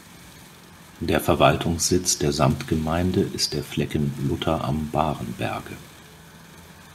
Der Verwaltungssitz der Samtgemeinde ist der Flecken Lutter am Barenberge.